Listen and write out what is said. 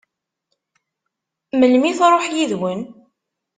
Melmi i tṛuḥ yid-wen?